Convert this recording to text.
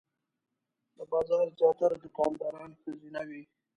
د بازار زیاتره دوکانداران ښځینه وې.